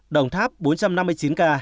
đồng tháp bốn trăm năm mươi chín ca